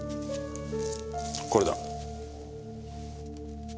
これだ。